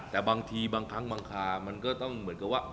แต่บางทีบางครั้งบางครามันก็ต้องเหมือนกับว่า